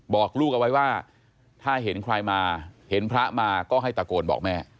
บอกลูกเอาไว้ว่าถ้าเห็นใครมาเห็นพระมาก็ให้ตะโกนบอกแม่